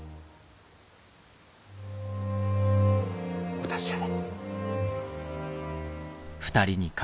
お達者で。